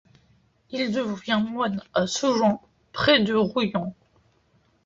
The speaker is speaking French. Il devient moine à Saujon, près de Royan.